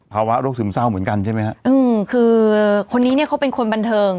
โรคซึมเศร้าเหมือนกันใช่ไหมฮะอืมคือคนนี้เนี้ยเขาเป็นคนบันเทิง